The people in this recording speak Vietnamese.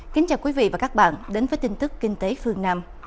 kính chào quý vị và các bạn đến với tin tức kinh tế phương nam